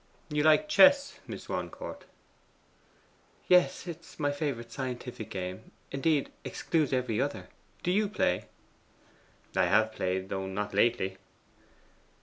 'You like chess, Miss Swancourt?' 'Yes. It is my favourite scientific game; indeed, excludes every other. Do you play?' 'I have played; though not lately.